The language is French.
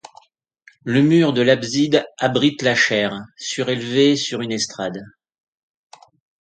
Le mur de l'abside abrite la chaire, surélevée sur une estrade.